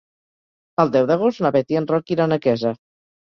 El deu d'agost na Bet i en Roc iran a Quesa.